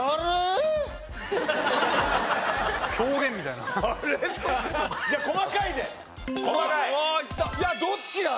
いやどっちだ？